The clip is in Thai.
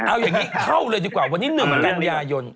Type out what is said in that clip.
เอาอย่างนี้เข้าเลยดีกว่าวันนี้๑กันยายน